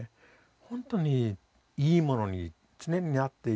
本当にいいものに常になっていってる。